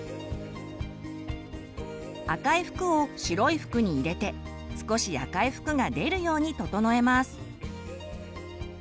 赤い服を白い服に入れて少し赤い服が出るように整えます。